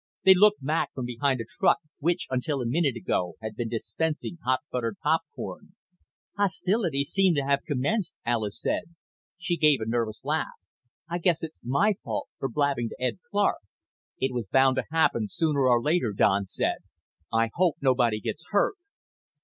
They looked back from behind a truck which, until a minute ago, had been dispensing hot buttered popcorn. "Hostilities seem to have commenced," Alis said. She gave a nervous laugh. "I guess it's my fault for blabbing to Ed Clark." "It was bound to happen, sooner or later," Don said. "I hope nobody gets hurt."